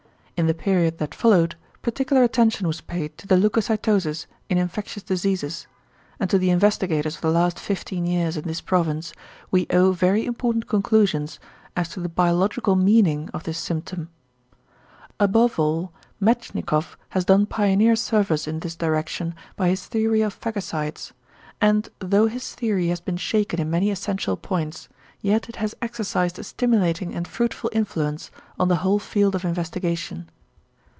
In the period that followed particular attention was paid to the leucocytosis in infectious diseases, and to the investigators of the last 15 years in this province we owe very important conclusions as to the ~biological meaning~ of this symptom. Above all Metschnikoff has done pioneer service in this direction by his theory of phagocytes, and though his theory has been shaken in many essential points, yet it has exercised a stimulating and fruitful influence on the whole field of investigation.